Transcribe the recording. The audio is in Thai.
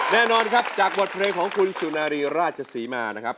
แน่นอนครับจากบทเพลงของคุณสุนารีราชศรีมานะครับ